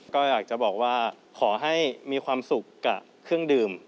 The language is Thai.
ก็อยากจะบอกว่าขอให้มีความสุขกับเครื่องดื่ม